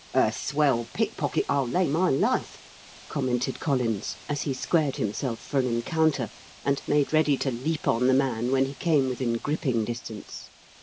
"A swell pickpocket, I'll lay my life," commented Collins, as he squared himself for an encounter and made ready to leap on the man when he came within gripping distance.